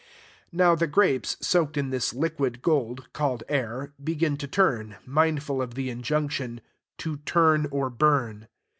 Now, the grapes, soaked in this liquid gold, called air, begin to turn, mindful of the injunction, "to turn or burn."